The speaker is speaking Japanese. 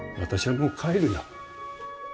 もう帰るよ。